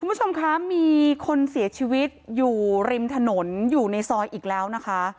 คุณผู้ชมคะมีคนเสียชีวิตอยู่ริมถนนอยู่ในซอยอีกแล้วนะคะ